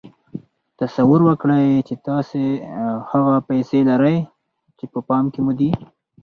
تصور وکړئ چې تاسې هغه پيسې لرئ چې په پام کې مو دي.